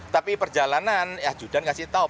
tapi perjalanan ya judan kasih tau